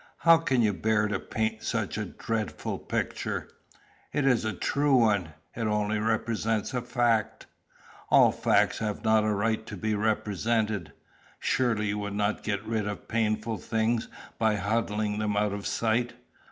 "How can you bear to paint such a dreadful picture?" "It is a true one. It only represents a fact." "All facts have not a right to be represented." "Surely you would not get rid of painful things by huddling them out of sight?"